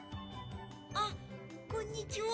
「あっこんにちは」。